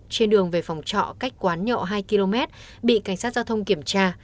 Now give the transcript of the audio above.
trên đường về phòng trọ cách quán nhậu hai km bị cảnh sát giao thông kiểm tra